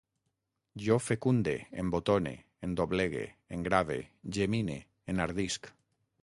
Jo fecunde, embotone, endoblegue, engrave, gemine, enardisc